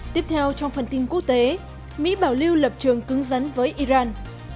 tiếp theo trong phần tin quốc tế mỹ bảo lưu lập trường cứng rắn với iran